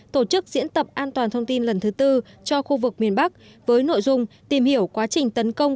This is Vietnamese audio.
tổ chức diễn tập an toàn thông tin lần thứ tư cho khu vực miền bắc với nội dung tìm hiểu quá trình tấn công